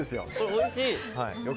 おいしい。